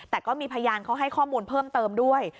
แต่ก็มีพยานเขาให้ข้อมูลเพิ่มเติมด้วย